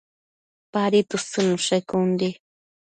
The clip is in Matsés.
Padi tësëdnushe con di